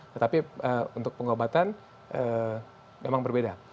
tetapi untuk pengobatan memang berbeda